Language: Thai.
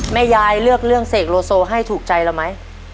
แม่ยายเลือกเรื่องเสกโลโซให้ถูกใจเราไหม